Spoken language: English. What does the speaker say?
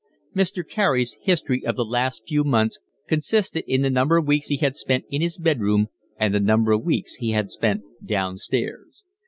Mr. Carey's history of the last few months consisted in the number of weeks he had spent in his bed room and the number of weeks he had spent downstairs.